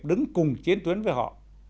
đứng cùng chiến tuyến với họ